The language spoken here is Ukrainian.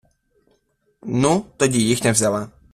Ну, тоді їхня взяла.